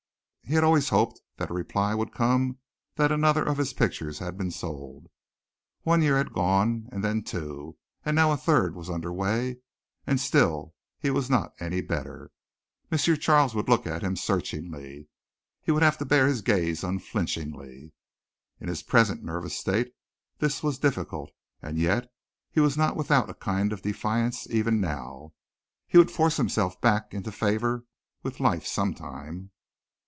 He had always hoped that a reply would come that another of his pictures had been sold. One year had gone and then two, and now a third was under way and still he was not any better. M. Charles would look at him searchingly. He would have to bear his gaze unflinchingly. In his present nervous state this was difficult and yet he was not without a kind of defiance even now. He would force himself back into favor with life sometime.